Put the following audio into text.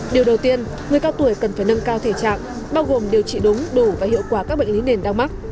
điều đầu tiên người cao tuổi cần phải nâng cao thể trạng bao gồm điều trị đúng đủ và hiệu quả các bệnh lý nền đau mắc